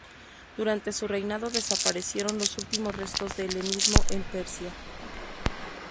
Durante su reinado desaparecieron los últimos restos de helenismo en Persia.